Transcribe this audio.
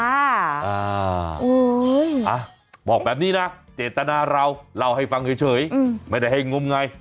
อ่าบอกแบบนี้นะเจตนาเราเล่าให้ฟังเฉยไม่ได้ให้งมไง